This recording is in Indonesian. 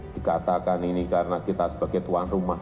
dikatakan ini karena kita sebagai tuan rumah